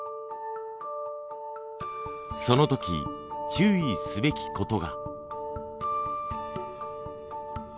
その時注意すべきことが。